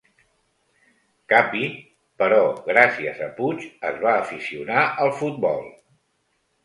Capi—, però gràcies a Puig es va aficionar al futbol.